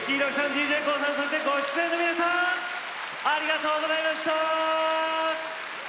ＤＪＫＯＯさんそしてご出演の皆さんありがとうございました。